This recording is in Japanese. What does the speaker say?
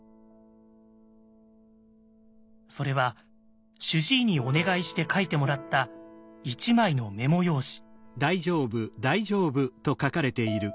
それは主治医にお願いして書いてもらった一枚のメモ用紙。